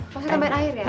pasti tambahin air ya